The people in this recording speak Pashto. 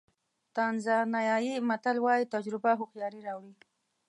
تانزانیایي متل وایي تجربه هوښیاري راوړي.